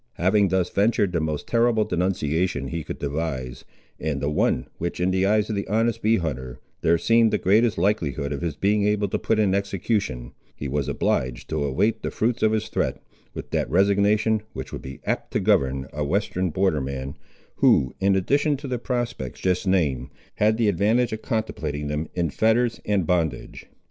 Having thus ventured the most terrible denunciation he could devise, and the one which, in the eyes of the honest bee hunter, there seemed the greatest likelihood of his being able to put in execution, he was obliged to await the fruits of his threat, with that resignation which would be apt to govern a western border man who, in addition to the prospects just named, had the advantage of contemplating them in fetters and bondage.